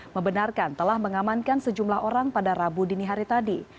membenarkan telah mengamankan sejumlah orang pada rabu dini hari tadi